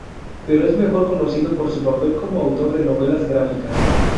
Pero es mejor conocido por su papel como autor de novelas gráficas.